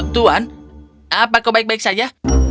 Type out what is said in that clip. tuan apa kau baik baik saja